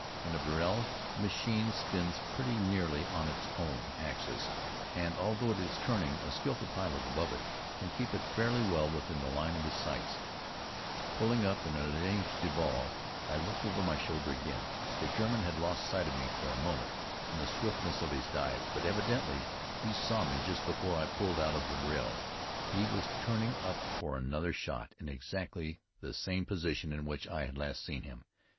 In a vrille, the machine spins pretty nearly on its own axis, and although it is turning, a skillful pilot above it can keep it fairly well within the line of his sights.] Pulling up in ligne de vol I looked over my shoulder again. The German had lost sight of me for a moment in the swiftness of his dive, but evidently he saw me just before I pulled out of the vrille. He was turning up for another shot, in exactly the same position in which I had last seen him.